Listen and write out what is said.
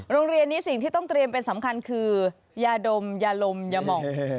โรงเรียนนี้สิ่งที่ต้องเตรียมเป็นสำคัญคือยาดมยาลมยามอง